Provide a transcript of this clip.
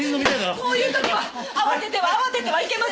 こういう時は慌てては慌ててはいけませんよ